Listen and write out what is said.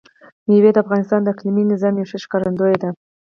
مېوې د افغانستان د اقلیمي نظام یوه ښه ښکارندوی ده.